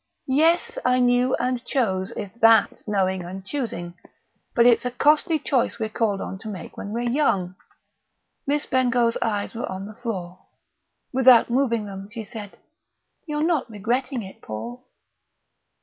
Yes, I knew and chose, if that's knowing and choosing ... but it's a costly choice we're called on to make when we're young!" Miss Bengough's eyes were on the floor. Without moving them she said, "You're not regretting it, Paul?"